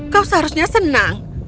kau seharusnya senang